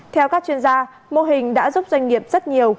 theo các chuyên gia mô hình đã giúp doanh nghiệp rất nhiều